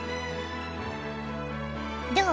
どう？